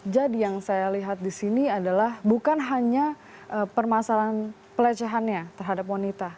jadi yang saya lihat disini adalah bukan hanya permasalahan pelecehannya terhadap wanita